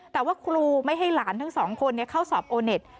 แต่ว่าครูไม่ให้หลานทั้งสองคนเข้าสอบโอเน็ต